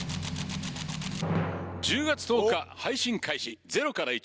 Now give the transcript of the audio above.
１０月１０日配信開始。